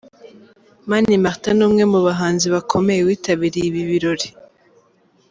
Mani Martin ni umwe mu bahanzi bakomeye witabiriye ibi birori.